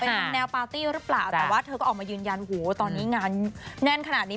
เป็นแนวปาร์ตี้หรือเปล่าแต่ว่าเธอก็ออกมายืนยันโหตอนนี้งานแน่นขนาดนี้